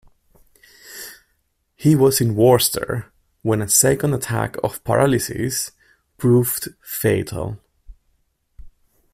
He was in Worcester when a second attack of paralysis proved fatal.